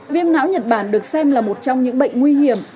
viêm não nhật bản được xem là một trong những bệnh nguy hiểm